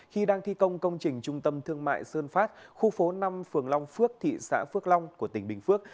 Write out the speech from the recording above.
khi đang thi công công trình trung tâm thương mại sơn phát khu phố năm phường long phước thị xã phước long của tỉnh bình phước